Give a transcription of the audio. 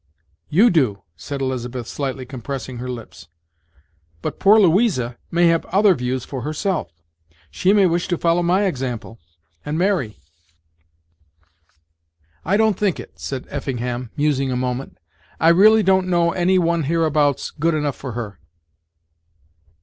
"You do!" said Elizabeth, slightly compressing her lips; "but poor Louisa may have other views for herself; she may wish to follow my example, and marry." "I don't think it," said Effingham, musing a moment, "really don't know any one hereabouts good enough for her."